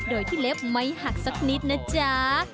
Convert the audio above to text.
โดยที่เล็บไม่หักสักนิดนะจ๊ะ